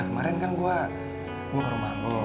kemarin kan gua ke rumah bu